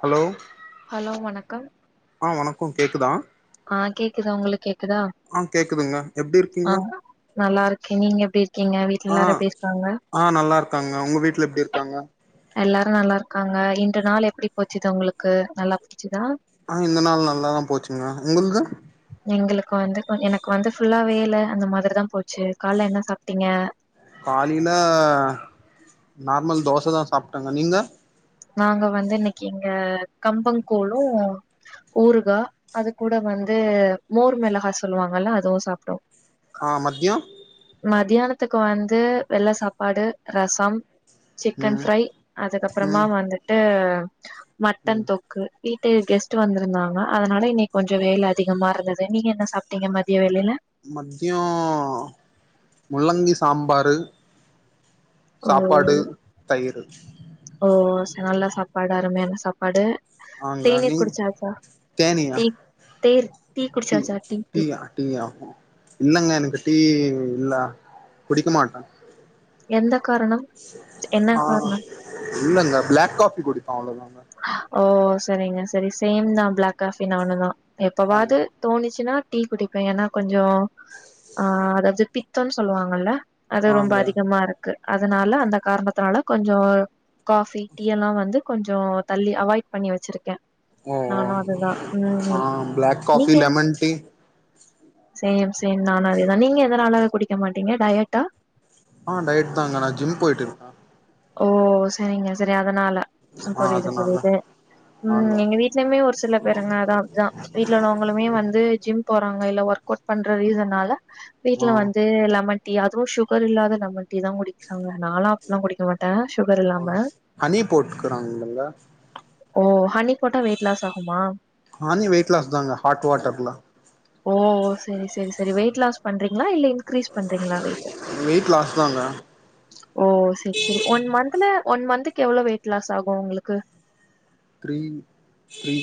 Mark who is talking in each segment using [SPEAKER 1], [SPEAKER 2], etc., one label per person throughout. [SPEAKER 1] Hello
[SPEAKER 2] hello வணக் கம்
[SPEAKER 1] ஆ வணக்கும் கேக்குதா
[SPEAKER 2] ஆ கேக்குதா உங்களுக் கேக்
[SPEAKER 1] ஆ கேக்குதுங்க எப்டி இருக்கீங்க
[SPEAKER 2] நல்லா இருக்க நீங்க எப்டி இருக்
[SPEAKER 1] ஆ ஆ நல்லா இருக்காங்க ஒங்க வீட்ல எப்டி இருக்காங்க
[SPEAKER 2] அ நல்லா இருக்காங்க இன்று நாள் எப்படி போச்சுது உங்களுக்கு நல்லா புடிச்சுதா
[SPEAKER 1] ஆ இந்த நாள் நல்லாதா போச்சுங்க உங்களுக்கு
[SPEAKER 2] எங்களுக்கு வந்து கொ எனக்கு வந்து ஃபுல்லா வேல அந்த மாதிரிதா போச்சு கால்ல என்ன சாப்பிட்டீங்க
[SPEAKER 1] காலைல தோசதா சாப்ட்டங்க நீங்க
[SPEAKER 2] நாங்க வந்து இன்னைக்கு எங்க கம்பங் கூழும் ஊறுகா அது கூட வந்து மோர் மெளகா சொல்லுவாங்கல்ல அதுவு சாப்ட்டோ
[SPEAKER 1] ஆ மதியொ
[SPEAKER 2] மதியானத்துக்கு வந்து வெள்ள சாப்பாடு ரசம் சிக்கன்
[SPEAKER 1] ம்
[SPEAKER 2] ஃப்ரை அதுக்கப்பறமா
[SPEAKER 1] ம்
[SPEAKER 2] வந் திட்டு
[SPEAKER 1] ம்
[SPEAKER 2] மட்டன் தொக்கு இ ட்டு கெஸ்ட் வந்திருந்தாங்க அதனால இன்னைக்கு கொஞ்சொ வேல அதிகமா இருந்தது நீங்க என்ன சாப்பிட்டீங்க மதிய வேலையில
[SPEAKER 1] மதியொ முள்ளங்கி சாம்பாரு
[SPEAKER 2] ஓ
[SPEAKER 1] சாப்பாடு தயிரு
[SPEAKER 2] ஓ ஓ நல்லா சாப்பாடு அருமையானா சாப்பாடு
[SPEAKER 1] ஆங்க
[SPEAKER 2] தேநீர்
[SPEAKER 1] நீங்
[SPEAKER 2] குடிச்சாச்சா
[SPEAKER 1] தேனியா
[SPEAKER 2] டீ தேர்
[SPEAKER 1] டீ
[SPEAKER 2] குடிச்சாச்சா டீ
[SPEAKER 1] டீயா டீயா இல்லங்க எனக்கு டீ இல்ல குடிக்க மாட்டே
[SPEAKER 2] எந்த காரணம் என்ன
[SPEAKER 1] ஆஹ்
[SPEAKER 2] காரணம்
[SPEAKER 1] இல்லங்க பிளாக் காபி குடிப்பா அவ்ளோதா வ
[SPEAKER 2] ஓ செரிங்க செரி சேம் தா பிளாக் காபி நானும்தா
[SPEAKER 1] ஆ
[SPEAKER 2] எப்பவாவது தோணிச்சுன்னா டீ குடிப்பே ஏன்னா கொஞ்சோ ஆஹ் அதாவது பித்தம் சொல்லுவாங்கல்ல அது ரொம்ப
[SPEAKER 1] ஆங்க
[SPEAKER 2] அதிகமா இருக்கு அதனால அந்த காரணத்தனால கொஞ்சோ காஃபி டீ எல்லா வந்து கொஞ்சோ தள்ளி அவொய்ட் பண்ணி வச்சிருக்கே
[SPEAKER 1] ஓ ஓ
[SPEAKER 2] நானு அதுதா ம்
[SPEAKER 1] ஆஹ் பிளாக் காஃபி
[SPEAKER 2] நீங்க
[SPEAKER 1] லெமன் டீ
[SPEAKER 2] சேம் சேம் நானு அதேதா நீங்க எதனால குடிக்க மாட்டீங்க டைய்ட்டா
[SPEAKER 1] ஆஹ் டயட் தாங்க நா ஜிம் போயிட்டு இருக்கே
[SPEAKER 2] ஓ செரிங்க செரி அதனால
[SPEAKER 1] ஆ
[SPEAKER 2] புரியுது
[SPEAKER 1] அதனால
[SPEAKER 2] புரியுது உம்
[SPEAKER 1] ஆங்க
[SPEAKER 2] எங்க வீட்லயுமே ஒரு சில பேருக்குங்கதா வீட்டுல உள்ளவங்களுமே வந்து ஜிம் போறாங் இல்ல ஒர்க் அவுட் பண்ற ரீசணல
[SPEAKER 1] ஆ
[SPEAKER 2] வீட்டு்ல வந்து லெமன் டீ அதுவும் சுகர் இல்லாத லெமன் டீ தா குடிப்ப அவ நாளா அப்பலா குடிக்க மாட்
[SPEAKER 1] ஆஹ் ஹனி போட்டுக்குறாங்களா
[SPEAKER 2] ஓ ஹனி போட்டா வெயிட் லாஸ் ஆகுமா
[SPEAKER 1] ஹானி வெயிட் லாஸ் தாங்க ஹாட் வாட்டர்ல
[SPEAKER 2] ஓ ஓ செரி செரி செரி வெயிட் லாஸ் பண்றீங்களா இல்ல கிரிஸ் பண்றீங்களா வெயிட்ட
[SPEAKER 1] வெயிட் லாஸ் தாங்க
[SPEAKER 2] ஓ சிக் ஒன் மன்த்ல ஒன் மன்த்கு எவ்ளோ வெயிட் லாஸ் ஆகு உங்களுக்கு
[SPEAKER 1] த்ரி த்ரி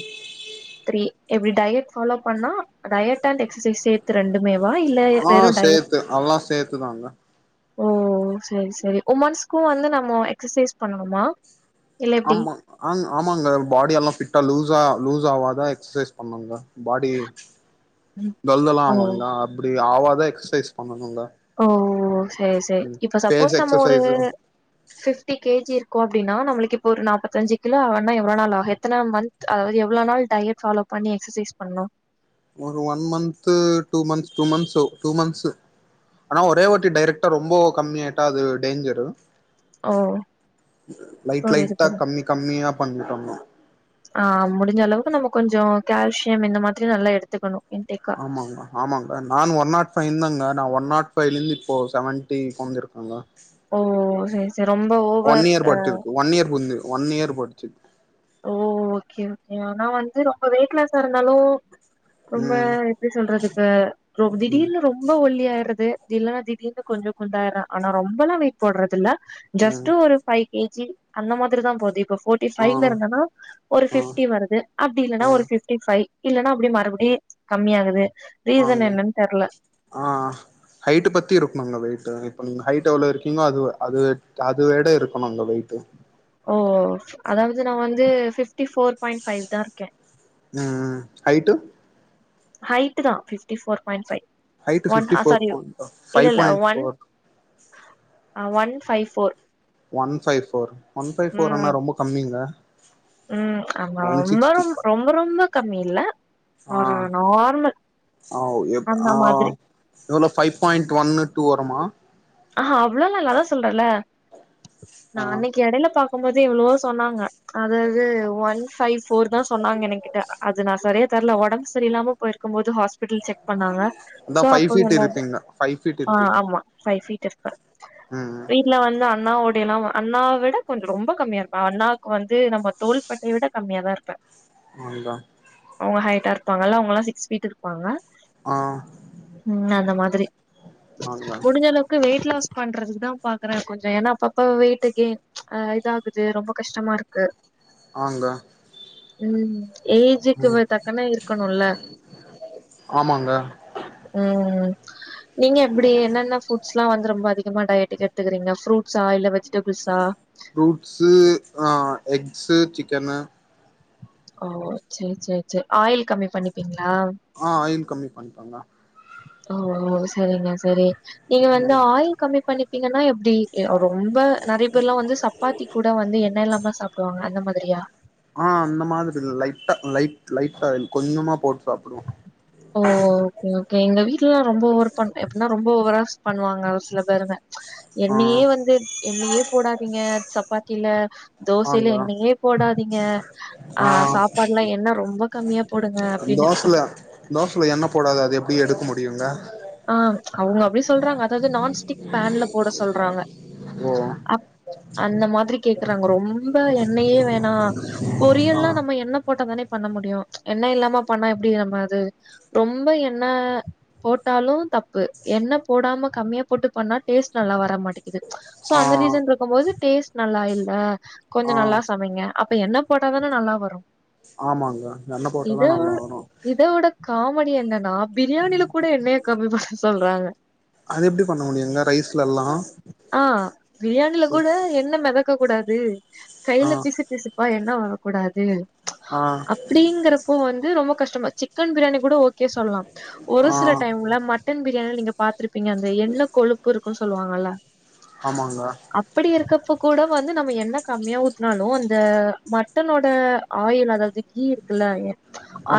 [SPEAKER 2] த்ரீ எப்டி டயட் ஃபாலோ பண்ணா டயட் அண்ட் எக்சசைஸ் சேத்
[SPEAKER 1] ஆ சேத்து அல்லா சேத்துதாங்க
[SPEAKER 2] ஓ செரி செரி வுமன்ஸ்க்கு வந்து நம்ம எக்சசைஸ் பண்ணனுமா
[SPEAKER 1] ஆமா அங் ஆமாங்க பாடி எல்லா ஃபிட்டா லூஸ் லூஸ் ஆவாத எக்சசைஸ் பண்ணுங்க பாடி டல்லெல்லா
[SPEAKER 2] ஓ
[SPEAKER 1] ஆவுங்களா அப்டி ஆவாத எக்சசைஸ் பண்ணனு
[SPEAKER 2] ஓ சேரி சேரி இப்ப
[SPEAKER 1] ஃபேஸ்
[SPEAKER 2] சப்போஸ் நம்ம ஒரு
[SPEAKER 1] எக்ஸசைஸு
[SPEAKER 2] ஃபிப்டி கேஜி இரு இருக்கு அபடின்னா நம்மளுக்கு இப்ப ஒரு நாப்பத்தஞ்சு கிலோ அவனா எவ்ளோ நாள் ஆக எத்தன மன்த் அதாவது எவ்ளோ நாள் டயட் ஃபாலோ பண்ணி எக்சசைஸ் பண்ணனு
[SPEAKER 1] ஒரு one month two months two months two months ஆனா ஒரே வாட்டி டைரெக்ட்டா ரொம்போ கம்மி ஆயிட்டா அது டேஞ்சரு
[SPEAKER 2] ஓ
[SPEAKER 1] லைட்
[SPEAKER 2] புரியுது
[SPEAKER 1] லைட்டா
[SPEAKER 2] புரியுது
[SPEAKER 1] கம்மி கம்மியா பண்ண [unintelligible]
[SPEAKER 2] ஆ முடிஞ்ச அளவுக்கு நம்ம கொஞ்சோ கால்சியம் இந்த மாதிரி நல்லா எடுத்துக்கணு இன்டேக்கா
[SPEAKER 1] ஆமாங்க ஆமாங்க நானு ஒன் நாட் ஃபைவ்னு தாங்க நா ஒன் நாட் ஃபைவ்லிருந் இப்போ செவன்டி கொறஞ்சிருக்கேங்க
[SPEAKER 2] ஓ செரி செரி ரொம்ப
[SPEAKER 1] ஒன்
[SPEAKER 2] ஓவர்
[SPEAKER 1] இயர்
[SPEAKER 2] அ
[SPEAKER 1] படிச்சிருக்கு ஒன் இயர் புந்து ஒன் இயர் படுச்சது
[SPEAKER 2] ஓ ஓகே ஓகே ஆனா வந்து ரொம்ப வெயிட்லாஸா இருந்தாலு ரொம்ப
[SPEAKER 1] ம்
[SPEAKER 2] எப்டி சொல்றதுக்கு ரொ
[SPEAKER 1] ம்
[SPEAKER 2] திடீர்னு ரொம்ப ஒல்லி தி ஆயடறது இல்லலைன்னா திடீனு கொஞ்ச குண்டாயறே ஆனா ரொம்பல்லா வெயிட் போடுறதுல்ல ஜஸ்ட்
[SPEAKER 1] ம்
[SPEAKER 2] ஒரு ஃபை கேஜி அந்த மாதிரி தா போது இப்ப போட்டி
[SPEAKER 1] ஆ
[SPEAKER 2] ஃபை இருந்தனா ஒரு
[SPEAKER 1] ஆ
[SPEAKER 2] ஃபிப்டி வருது அப்டி இல்லன்னா
[SPEAKER 1] ஆ
[SPEAKER 2] ஒரு ஃபிப்டி ஃபைவ் இல்லன்னா அப்டி மறுபடி கம்மி ஆகுது
[SPEAKER 1] ஆங்க ஆ அ ஹைட்டு் பத்தி இருக்குமாங்க வெய்ட்டு் ஹைட் எவ்ளோ இருக்கீங்களோ அது அது அது விட இருக்கணுங்க வெயிட்டு
[SPEAKER 2] ஓ அதாவது நா வந்து ஃபிப்டி ஃபோர் பாயிண்ட் ஃபைவ் தா இருக்கே
[SPEAKER 1] ம் ம் ஹைட்டு
[SPEAKER 2] ஹைட்டு தா fifty four point five
[SPEAKER 1] height fifty four பா ஃபைவ்
[SPEAKER 2] இல்ல
[SPEAKER 1] point
[SPEAKER 2] one
[SPEAKER 1] four
[SPEAKER 2] one five four
[SPEAKER 1] one five four one five போர்னா
[SPEAKER 2] ம்
[SPEAKER 1] ரொம்ப கம்மிங்ள
[SPEAKER 2] ம் ஆ ரொம்ப ரொ ரொம்ப ரொம்ப கம்மி இல்ல ஒரு நார்மல்
[SPEAKER 1] ஆவ் எப்
[SPEAKER 2] அந்த
[SPEAKER 1] ஆ
[SPEAKER 2] மாதிரி
[SPEAKER 1] எவ்ளோ ஃபைவ் பாயிண்ட் ஒன்னு டூ வருமா
[SPEAKER 2] ஆஹா அவ்ளோல்ல இல்லா அதா சொல்றல்ல
[SPEAKER 1] ஆ
[SPEAKER 2] நா அன்னைக்கி எடைல பாக் பாக்கும்போதே எவ்ளோவோ சொன்னாங்க அதாவது ஒன் ஃபைவ் ஃபோர் தா சொன்னாங்க எனகிட்ட அது நா செரிய தெர்ல ஒடம்பு செரியல்லாம போயிருக்கு போது ஹாஸ்பிட்டல் செக் பன்னாங்க
[SPEAKER 1] அதா
[SPEAKER 2] சோ
[SPEAKER 1] ஃபைவ்
[SPEAKER 2] அப்போ
[SPEAKER 1] ஃபீட்
[SPEAKER 2] சொன்னாங்க
[SPEAKER 1] இருப்பீங்க ஃபைவ் ஃபீட்
[SPEAKER 2] ஆ
[SPEAKER 1] இருப்பீங்க
[SPEAKER 2] ஆமா ஃபைவ் ஃவி [unintelligible]
[SPEAKER 1] ம் ம்
[SPEAKER 2] வீட்ல வந்து அண்ணாவோ அப்டியெல்லா அண்ணாவ விட கொஞ்சோ ரொம்ப கம்மியா இருப்ப அண்ணாவுக்கு வந்து நம்ம தோல் பட்டை விட கம்மிய தா இருப்பே
[SPEAKER 1] நாந்தா
[SPEAKER 2] ஹைட்டாருப்பாங்கல்ல அவங்களா சிக்ஸ் ஃபீட் இருப்பாங்க
[SPEAKER 1] ஆ
[SPEAKER 2] ம் அந்த மாதிரி
[SPEAKER 1] ஆங்க
[SPEAKER 2] முடிஞ்சலவு வெயிட் லாஸ் பண்றதுக்கு தா பாக்கறே கொஞ்சோ ஏன்னா அப்பப்ப வெயிட் கெயன் ச் இதாகுது ரொம்ப கஷ்டமா இருக்கு
[SPEAKER 1] ஆங்க
[SPEAKER 2] ம் ஏஜுக்கு வ
[SPEAKER 1] ம்
[SPEAKER 2] தக்கன்னருக்கணுல
[SPEAKER 1] ஆமாங்க
[SPEAKER 2] ம் [inaudible] நீங்க எப்டி என்னென்ன புட் ஃரூட்ஸ்லா வந்து ரொம்ப அதிகமா டயட் எடுத்துக்கிறீங்க ஃரூட்ஸா இல்ல வெஜிடபிள்ஸா
[SPEAKER 1] ஃப்ரூட்ஸு ஆஹ் எக்ஸு சிக்கன்னு
[SPEAKER 2] ஓ சேரி சேரி சேரி ஆயில் கம்மி பண்ணிப்பீங்க
[SPEAKER 1] ஆ ஆயில் கம்மி பண்ணிட்டாங்க
[SPEAKER 2] ஓ ஓ சேரிங்க சேரி நீங்க வந்து
[SPEAKER 1] ம்
[SPEAKER 2] ஆயில் கம்மி பண்ணி நீங்கன்னா எப் எப்டி ரொம்ப நெறய பேர்ல்லா வந்து சப்பாத்தி கூட வந்து எண்ண இல்லாம சாப்டுவாங்க அந்த மாதிரியா
[SPEAKER 1] ஆ அந்த மாதிரி லைட்டா லைட் லைட் ஆயில் கொஞ்சமா போட்டு சாப்டுவோ
[SPEAKER 2] ஓ ஓகே எங்க வீட்ல்லா ரொம்ப ஓவர் எப்டினா ரொம்ப வராஸ் பண்ணுவாங்க சில பேருங்க
[SPEAKER 1] ஆ
[SPEAKER 2] என்னயே வந்து என்னயே போடாதீங்க சப்பாத்தில
[SPEAKER 1] ஆங்க
[SPEAKER 2] தோசையில என்னயே போடாதீங்க ஆ சாப்பாடுலா என்ன ரொம்ப கம்மியா போடுங்க அப்டின்னு.
[SPEAKER 1] தோசல என்ன போடாது அது எப்டி எடுக்க முடியுங்க
[SPEAKER 2] ஆஹ் அவங்க அப்டி சொல்றாங்க அதாவது நான்ஸ்டிக் பேன்ல போட சொ சொல்றாங்க
[SPEAKER 1] ஓ
[SPEAKER 2] அப் அந்த மாதிரி கேக்குறாங்க ரொம்ப எண்ணயே வேணாம்
[SPEAKER 1] ஆ
[SPEAKER 2] பொரியல்ல நம்ம எண் போட்டா தானே பண்ண முடியு ப்ச் எண்ண இல்லாம பண்ண எப்படி நம்ம அது ரொம்ப எண்ண போட் டாலு தப்பு எண்ண போடாம கம்மியா போட்டு பண்ணா டேஸ்ட் நல்லா வர மாட் க்குது சோ
[SPEAKER 1] ஆ
[SPEAKER 2] அந்த ரீசன்ருக்கும்போது டேஸ்ட் நல்லா இல்ல கொஞ்சோ
[SPEAKER 1] ஆ
[SPEAKER 2] நல்லா சமைங்க அப்ப எண்ண போட்டாதான நல்லா வரு
[SPEAKER 1] ஆமாங்க எண்ண போட்டாதா நல்லா வரு
[SPEAKER 2] மணி என்னன்னாப் பிரியாணில கூட எண்ணய [unintelligible] சொல்றாங்க
[SPEAKER 1] அது எப்டி பண்ண முடியுங்க ரைஸ்ல எல்லா
[SPEAKER 2] ஆ க்க கூடாது கைல பிசு பிசு ப எண்ண வரக்கூடாது
[SPEAKER 1] ஆ
[SPEAKER 2] அப்படிங்கறப்போ வந் து ரொம்ப கஷ்டமா சிக்கன் பிரியாணி கூட ஓகே சொல்லலா
[SPEAKER 1] ஆஹ்
[SPEAKER 2] மட்டன் பிரியாணில நீங்க பாத்துருப்பீங்க அந்த எண்ண கொழுப்பு இருக்கும் சொல்லுவாங்கல்ல
[SPEAKER 1] ஆமாங்க
[SPEAKER 2] அப்படி இருக்க இப்போ கூட வந்து நம்ம எண்ண கம்மியா ஊத்துனாலு அந்த மட்டனோட ஆயில் அதாவது கீ இருக்குல்ல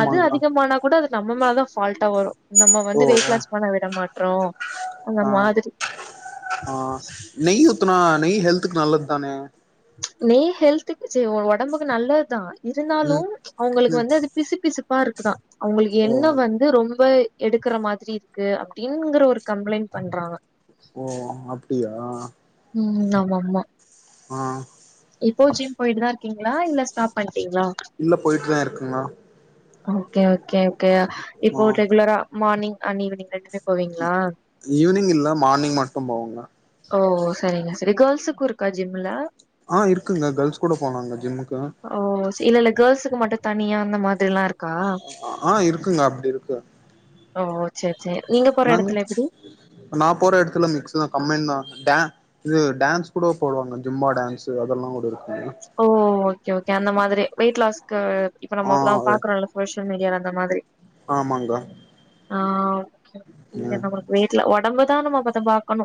[SPEAKER 2] அது அதிகமானா கூட அது நம்ம மேல தா ஃபால்டா வரும் வந்து வெயிட்லாஸ் பண்ண விட மா அறோ
[SPEAKER 1] ஆஹ் ஆஹ் நெய் ஊத்துனா நெய் ஹெல்த்க்கு நல்லது தானே
[SPEAKER 2] நெய் ஹெல்த்துக்கு செய் ஒ ஒடம்புக்கு நல்லதுதா
[SPEAKER 1] ம்
[SPEAKER 2] இருந்தாலும் ப்ச் உங்களுக்கு
[SPEAKER 1] ம்
[SPEAKER 2] வந்து அது பிசு பிசுப்பா தான் அவங்களுக்கு
[SPEAKER 1] ஓ
[SPEAKER 2] என்ன வந்து ரொம்ப எடுக்ற மாதிரி இருக்கு அப்டிங்கற ஒரு கம்ப்ளைண்ட் பண்றாங்க
[SPEAKER 1] ஓ அப்டியா
[SPEAKER 2] உம் ஆமா ஆமா
[SPEAKER 1] ஆஹ்
[SPEAKER 2] இப்போ ஜிம் போயிட்டுதா இருக் ங்களா இல்ல ஸ்டாப் பண்ணி
[SPEAKER 1] இல்ல போய்ட்டுதா இருக்கேமா
[SPEAKER 2] ஓகே ஓகே ஓ இப்போ ரெகுலரா மார்னிங் அன் ஈவ்னிங் ரெண்டு
[SPEAKER 1] ஈ ஈவினிங் இல்ல மார்னிங் மட்டு போவங்க
[SPEAKER 2] ஓ செரிங்க செரி கேர்ள்ஸுக்கு இருக்கா ஜிம்ல
[SPEAKER 1] ஆஹ் இருக்குங்க கேர்ள்ஸ் கூட போளாங்க ஜிம்முக்கு
[SPEAKER 2] ஓ இல்ல இல்ல கேர்ள்ஸுக்கு மட்டு தனியா அந்த மாத்
[SPEAKER 1] அ அ ஆ இருக்குங்க அப்டி இருக்கு
[SPEAKER 2] ஓஓ சேர்
[SPEAKER 1] நாங்க இப்ப நா போற எடத்துல மேக்சிமம் கம்மைன் தா டே இது டான்ஸ் கூட போடுவாங்க ஜும்பா டான்ஸு அதெல்லா கூட இருக்
[SPEAKER 2] ஓ ஓகே ஓகே அந்த மாதிரி வெய்ட் லாஸ் கு இப்ப நம்ம [unintelligible] பாக்றோல ஃபோஷ் ட்டு மீடியால அந்த மாதிரி
[SPEAKER 1] ஆமாங்கா
[SPEAKER 2] ஆ இல்ல நமக்கு வீட்ல ஒடம்புக் [unintelligible] பத பாக்கணு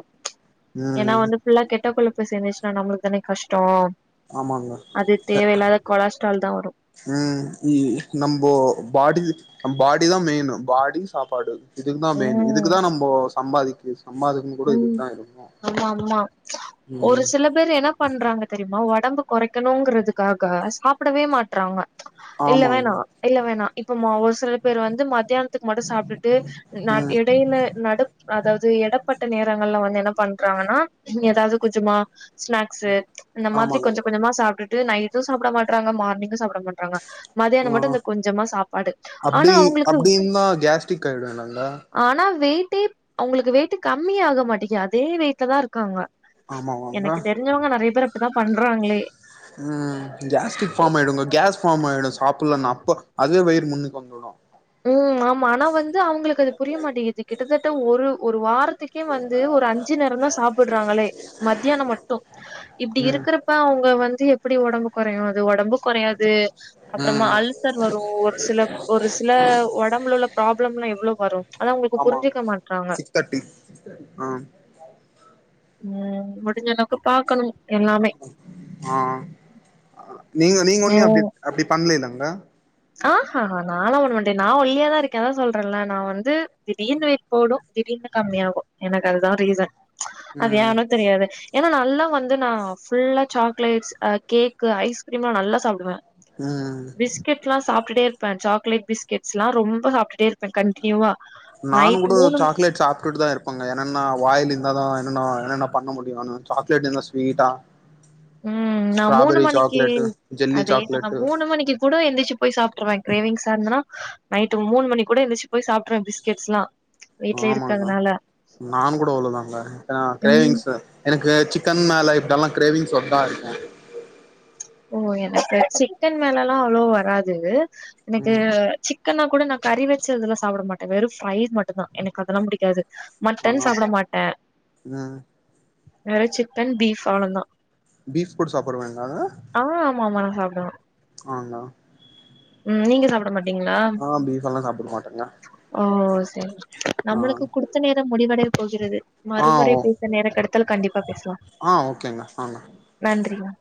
[SPEAKER 2] ஏனா
[SPEAKER 1] ம்
[SPEAKER 2] வந்து ஃபுல்லா கெட்ட பிள் போய் சேந்துச்சினா நம்ளுக்கு தானே கஷ்டோ
[SPEAKER 1] ஆமாங்க
[SPEAKER 2] அது
[SPEAKER 1] அ
[SPEAKER 2] தேவையில்லாத கொலஸ்ட்ரால் தா வரு
[SPEAKER 1] உம் இ நம்போ பாடி பாடி தா மெய்னு பாடி சாப்பாடு இதுக்கு தா மெயினு இதுக்குதா நம்போ சம்பாதிக்கிஸ்
[SPEAKER 2] உம் ஆமா ஆமா ஒரு
[SPEAKER 1] ம்
[SPEAKER 2] சில பேர் என்ன பண்றாங்க தெரியுமா வாட் ஒடம்ப கொறைக்கணுங்றதிக்காக சாப்டவே மாட்றாங்க இல்ல வேணா
[SPEAKER 1] ஆமாங்க
[SPEAKER 2] இல்ல வேணா இப்போ மௌவ்ஸ் சில பேர் வந்து மதியானத்திக்கு மட்டூ சாப்ட்டுட்டு நாட்
[SPEAKER 1] ம்
[SPEAKER 2] எடைல நடுத் அதாவ்து எடப்பட் நேரங்கள்ல வந்து என்ன பண்றாங்கனா எதாது கொஞ்ஜமா ஸ்நாக்ஸ்ஸூ இந்த மாதிரி
[SPEAKER 1] ஆமாங்க
[SPEAKER 2] கொஞ்ஜ கொஞ்ஜமா சாப்டிட் இது நைட்டூ சாப்ட மாட்றாங்க மார்னிங்கூ சாப்ட மாட்றாங்க மதியான மட்டூ
[SPEAKER 1] ஆ
[SPEAKER 2] இந்த கொஞ்ஜமா சாப்பாடு ஆனா
[SPEAKER 1] அப்டி
[SPEAKER 2] அவுங்ளுக்கூ
[SPEAKER 1] அப்டி இருந்தா கேஸ்ட்ரிக் ஆயிடு இல்லங்க
[SPEAKER 2] ஆனா வெய்ட் டீப் அவுங்ளுக்கு வெய்ட்டு கம்மியா ஆக மாட்டிக்கு அதே வெயிட்ல தா இருக்காங்க
[SPEAKER 1] ஆமாவாங்க
[SPEAKER 2] எனக்கு தெரிஞ்சவங்க நெறைய பேர் அப்டிதான் பண்றாங்களே.
[SPEAKER 1] உம் கேஸ்ட்ரிக் ஃபார்ம் ஆயிடுங்க கேஸ் ஃபாம் ஆயிடூ சாபுல்லனா அப்ப அதே வயிறு முன்னுக்கு வந்துடூ
[SPEAKER 2] உம் ஆமா ஆனா வந் இது அவுங்ளுக்கு அது புரியமாட்டேகிது கிட்டத்தட் த ஒரு ஒரு வார்த்தைக் கே வந்து ஒரு அஞ்சு நேரந்தா சாப்பிட்றாங்களே மத்தியான மட்டூ இப்டி
[SPEAKER 1] ம்
[SPEAKER 2] இருக்கிறப்ப அவுங்க வந்து எப் எப்டி ஒடம்பு கொறையு அது ஒடம்பு கொறையாது அப்றமா
[SPEAKER 1] ம்
[SPEAKER 2] அல்சர் வரு ஒரு சில ஒருஸ் உடம்புல உள்ள ப்ராப்ளம் லாம் எவ்ளோ வரு ஆனா அவுங்கள்க்கு புரிஞ்சசிக்க
[SPEAKER 1] ஆமாங்க
[SPEAKER 2] மாட்றாங்க
[SPEAKER 1] சிக்ஸ் தேர்ட்டி ஆ
[SPEAKER 2] உம் முடிஞ்ச அளவுக்கு பாக்கணு எல்லாமே
[SPEAKER 1] நீங்கோ நீங்கோ ஒன்னுமே அப்டி அப்டி பண்லல்லங் என்ன
[SPEAKER 2] ஆ ஹ ஹா நால்லா ஒண்ண மாட்டே நா ஒல்லியா தா இருக்கே அதா சொல்றேன்ல நா வந்து திடீர்னு வெயிட் போடு திடீர்னு கம்மி ஆகு ‌எனக்கு அது தா ரீசன் அது
[SPEAKER 1] ம்
[SPEAKER 2] ஏனு தெரியாது‌ ஏனா நல்லா வந்து நா ஃபுல்லா சாக்லேட்ஸ் ஆஹ் கேக்கு ஐஸ்கிரீம்லா நல்லா சாப்டு வே
[SPEAKER 1] உம்
[SPEAKER 2] பிஸ்கட்லா சாப்டுட்டே இருப்ப சாக்லேட் பிஸ்கட்ஸ்லா ரொம்ப சாப்டுட்டே இருப்ப கண்டின்யூவா
[SPEAKER 1] நானு கூட சாக்லேட் சாப்டுட்டு தா இருப்பேங்க என்னனா வாயிலு என்ன தா என்னனா என்னென்ன பண்ண முடியூனு சாக்லேட் என்ன ஸ்வீட்டா
[SPEAKER 2] உம் நா மூணு
[SPEAKER 1] ஸ்ட்ராபெரி
[SPEAKER 2] மணிக்கி
[SPEAKER 1] சாக்லேட்டு ஜெல்லி
[SPEAKER 2] அதே தா
[SPEAKER 1] சாக்லேட்டு
[SPEAKER 2] மூணு மணிக்கி கூட எந்துர்ச்சு போயி சாப்ட்டுருவே கிரேவிங்ஸா இருந்தனா நைட்டு மூணு மணி கூட எந்துர்ச்சி
[SPEAKER 1] ஆமாங்க
[SPEAKER 2] இருக்கறதுனால
[SPEAKER 1] நானு கூட அவ்ளோவு தாங்க ஏன்னா
[SPEAKER 2] ம்
[SPEAKER 1] கிரேவிங்ஸ் எனக்கு சிக்கன் சிக்கன் மேல இப்பல்லா கிரேவிங்ஸ் ஒர்த்தாருக்கு
[SPEAKER 2] ஓ எனக்கு சிக்கல் மேலல்லா அவ்ளோ வராது எனக்கு
[SPEAKER 1] ம்
[SPEAKER 2] சிக் சிக்கன்னா கூட நான் கறி வச்சு அதொ சாப்பிட மாட்டே வெற ஃப்ரைஸ் மட்டுந்தா எனக்கு அதெல்லா புடிக்காது மட்டன்
[SPEAKER 1] ஆ
[SPEAKER 2] சாப்ட மாட்டே
[SPEAKER 1] ம்
[SPEAKER 2] வேற சிப்பன் பீஃ ஆவ்ளந்தா
[SPEAKER 1] பீஃப் போடு சாப்டுவேங்களா
[SPEAKER 2] ஆஹ் ஆமா ஆமா நா சாப்டுவே
[SPEAKER 1] ஆலா
[SPEAKER 2] நீங்க சாப்ட மட்டு
[SPEAKER 1] ஆஹ் பீஃப் எல்லா சாப்ட மாட்டேங்க
[SPEAKER 2] ஓ சரி
[SPEAKER 1] ஆ
[SPEAKER 2] நம்மளுக்கு குடுத்த நேரம் முடிவடைய் போகிறது
[SPEAKER 1] ஆ
[SPEAKER 2] மறுமுறை
[SPEAKER 1] ஓ
[SPEAKER 2] பேச நேர கெடைத்தால் கண்டிப்பா பேசலா
[SPEAKER 1] ஆ ஓகேங்க ஆங்க
[SPEAKER 2] நன்றிக